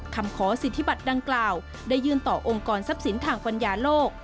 คำขอสิทธิบัตรดังกล่าวได้ยื่นต่อองค์กรทรัพย์สินทางปัญญาโลก